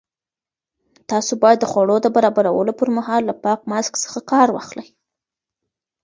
تاسو باید د خوړو د برابرولو پر مهال له پاک ماسک څخه کار واخلئ.